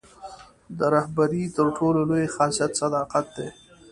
د رهبرۍ تر ټولو لوی خاصیت صداقت دی.